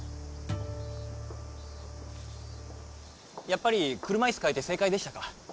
やっぱり車いす替えて正解でしたか？